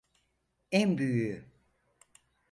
En büyüğü.